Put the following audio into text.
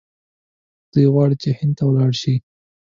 دی غواړي چې هند ته ولاړ شي.